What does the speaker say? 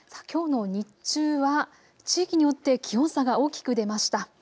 きょうの日中は地域によって気温差が大きく出ました。